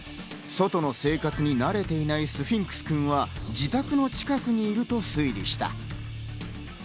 外の生活に慣れていないスフィンクス君は自宅の近くにいると推理した。